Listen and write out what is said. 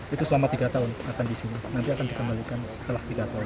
itu selama tiga tahun akan di sini nanti akan dikembalikan setelah tiga tahun